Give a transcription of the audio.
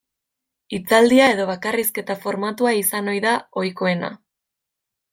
Hitzaldi edo bakarrizketa formatua izan ohi da ohikoena.